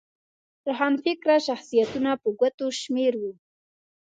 روښانفکره شخصیتونه په ګوتو شمېر وو.